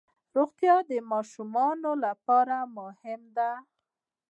روغتیا د ماشومانو لپاره مهمه ده.